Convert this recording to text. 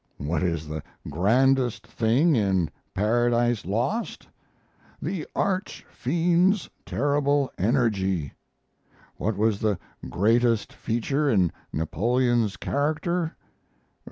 What is the grandest thing in "Paradise Lost" the Arch Fiend's terrible energy! What was the greatest feature in Napoleon's character?